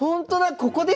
ここですね！